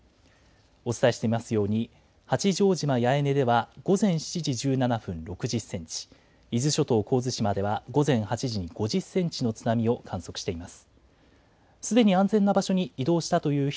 お伝えしていますように八丈島八重根では午前７時１７分６０センチ、伊豆諸島神津島では午前８時、５０センチの津波を観測しています。